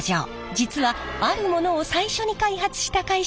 実はあるものを最初に開発した会社でもあるんです。